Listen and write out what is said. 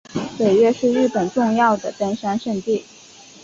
北岳是日本重要的登山圣地。